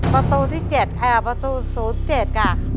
ประตูที่๗ค่ะประตู๐๗ค่ะ